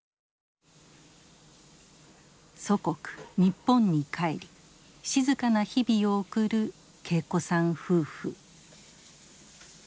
祖国日本に帰り静かな日々を送る桂子さん夫婦。